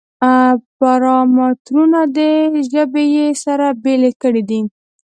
پارامترونه دي چې ژبې یې سره بېلې کړې دي.